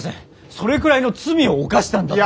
それくらいの罪を犯したんだと。